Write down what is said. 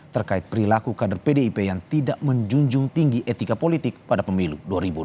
terkait perilaku kader pdip yang tidak menjunjung tinggi etika politik pada pemilu dua ribu dua puluh